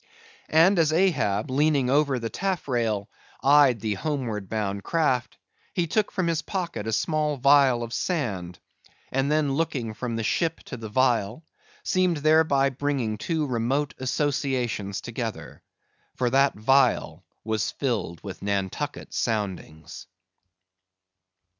And as Ahab, leaning over the taffrail, eyed the homeward bound craft, he took from his pocket a small vial of sand, and then looking from the ship to the vial, seemed thereby bringing two remote associations together, for that vial was filled with Nantucket soundings.